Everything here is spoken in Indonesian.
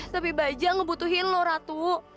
tapi bajak ngebutuhin lo ratu